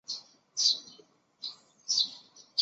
中国业界公认的打口源头是广东汕头的潮阳。